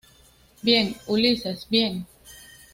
bien, Ulises, bien.